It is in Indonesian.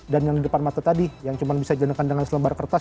yang di depan mata tadi yang cuma bisa dinekan dengan selembar kertas